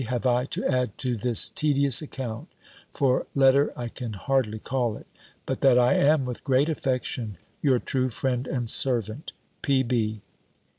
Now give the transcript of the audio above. have I to add to this tedious account (for letter I can hardly call it) but that I am, with great affection, your true friend and servant, P.